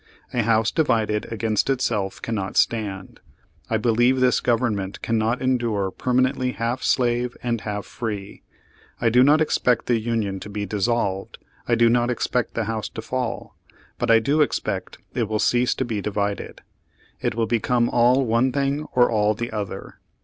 A house divided against itself cannot stand. I believe this Government cannot endure permanently half slave and half free. I do not expect the Union to be dissolved — I do not expect the house to fall — but I do expect it will cease to be divided. It will become all one thing or all the other.